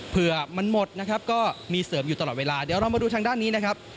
เผื่อมันหมดนะครับก็มีเสริมอยู่ตลอดเวลาเดี๋ยวเรามาดูทางด้านนี้นะครับ